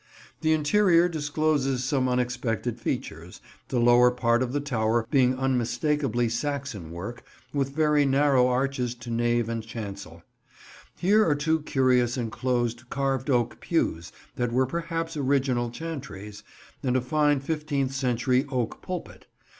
[Picture: Shakespeare Hall, Rowington] The interior discloses some unexpected features, the lower part of the tower being unmistakably Saxon work, with very narrow arches to nave and chancel. Here are two curious enclosed carved oak pews that were perhaps originally chantries, and a fine fifteenth century oak pulpit.